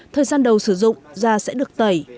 thời gian đầu sử dụng da sẽ được tẩy